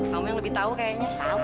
kamu yang lebih tahu kayaknya